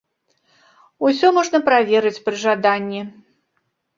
Усё можна праверыць пры жаданні.